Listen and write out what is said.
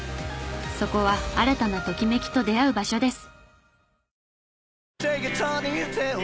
そこは新たなときめきと出会う場所です。